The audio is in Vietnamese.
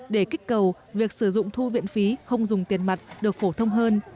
để kích cầu việc sử dụng thu viện phí không dùng tiền mặt được phổ thông hơn